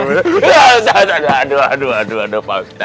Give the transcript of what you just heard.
pak ustad aduh aduh pak ustad